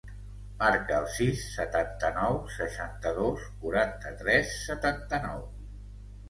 Marca el sis, setanta-nou, seixanta-dos, quaranta-tres, setanta-nou.